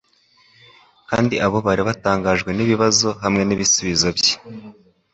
kandi abo bari batangajwe n'ibibazo hamwe n'ibisubizo bye.